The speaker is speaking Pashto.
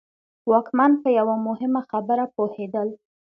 واکمن په یوه مهمه خبره پوهېدل.